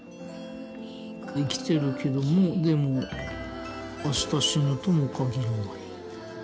生きてるけどもでも明日死ぬとも限らない。